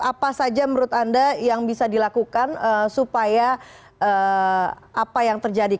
apa saja menurut anda yang bisa dilakukan supaya apa yang terjadi